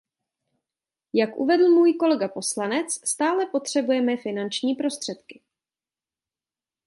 Jak uvedl můj kolega poslanec, stále potřebujeme finanční prostředky.